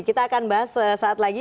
kita akan bahas sesaat lagi